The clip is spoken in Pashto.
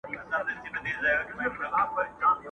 چي ته ډنګر یې که خېټور یې!.